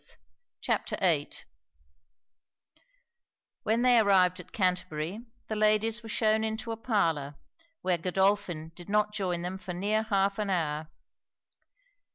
] CHAPTER VIII When they arrived at Canterbury, the ladies were shewn into a parlour, where Godolphin did not join them for near half an hour.